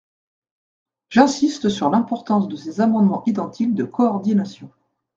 J’insiste sur l’importance de ces amendements identiques de coordination.